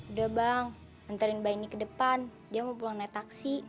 udah bang antarin mbak ini ke depan dia mau pulang naik taksi